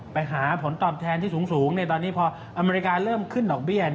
ไปหาผลตอบแทนที่สูงตอนนี้พออเมริกาเริ่มขึ้นดอกเบี้ย